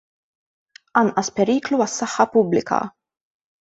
Anqas periklu għas-saħħa pubblika.